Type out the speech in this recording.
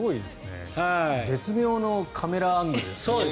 絶妙なカメラアングルですね。